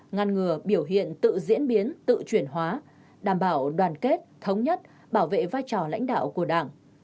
ngăn ngừa biểu hiện tự diễn biến tự chuyển hóa đảm bảo đoàn kết thống nhất bảo vệ vai trò lãnh đạo của đảng